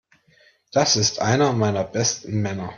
Das ist einer meiner besten Männer.